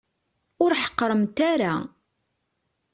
Ur ḥeqqremt ara.